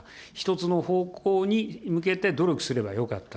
１つの方向に向けて努力すればよかった。